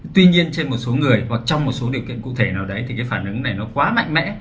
tuy nhiên trên một số người hoặc trong một số điều kiện cụ thể nào đấy thì cái phản ứng này nó quá mạnh mẽ